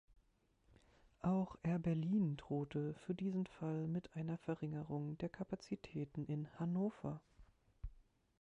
Auch Air Berlin drohte für diesen Fall mit einer Verringerung der Kapazitäten in Hannover.